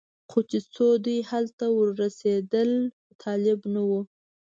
خو چې څو دوی هلته ور ورسېدل طالب نه و.